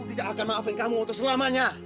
tidak akan maafin kamu untuk selamanya